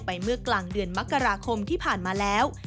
เมื่อกลางเดือนมกราคมที่ผ่านมาแล้ว